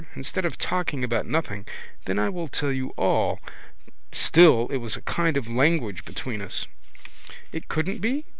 Instead of talking about nothing. Then I will tell you all. Still it was a kind of language between us. It couldn't be?